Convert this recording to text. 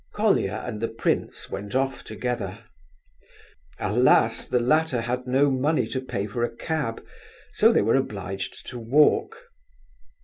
Colia and the prince went off together. Alas! the latter had no money to pay for a cab, so they were obliged to walk.